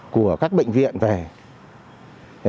của các bệnh viện về